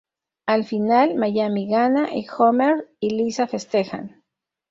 Al final, Miami gana, y Homer y Lisa festejan.